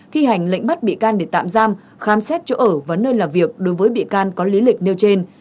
thi hành lệnh bắt bị can để tạm giam khám xét chỗ ở và nơi làm việc đối với bị can có lý lịch nêu trên